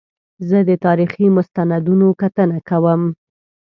زه د تاریخي مستندونو کتنه کوم.